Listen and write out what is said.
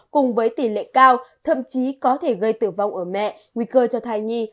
cùng với tỷ lệ cao thậm chí có thể gây tử vong ở mẹ nguy cơ cho thai nhi